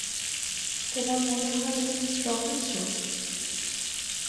তোমার মনে হয় তুমি স্ট্রং আছো?